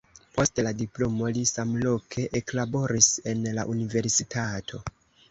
Post la diplomo li samloke eklaboris en la universitato.